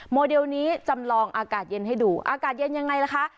โมเดลนี้จำลองอากาศเย็นให้ดูอากาศเย็นยังไงล่ะคะ